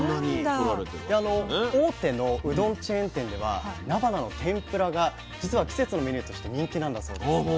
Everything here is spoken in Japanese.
で大手のうどんチェーン店ではなばなの天ぷらが実は季節のメニューとして人気なんだそうです。